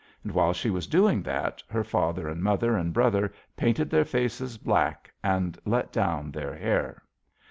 And while she was doing that, her father and mother and brother painted their faces black and let down their hair.